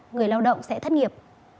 người lao động sẽ thất nghiệp